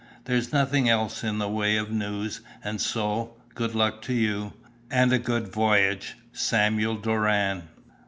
"There's nothing else in the way of news, and so, good luck to you, and a good voyage. "SAMUEL DORAN."